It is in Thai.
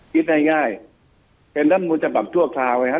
คิดได้ง่ายเพราะฉะนั้นมูลจำแบบทั่วคราวเลยครับ